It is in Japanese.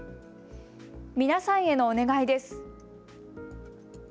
皆さんへのお願いです。